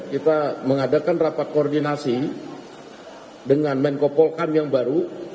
kita mengadakan rapat koordinasi dengan menko polkam yang baru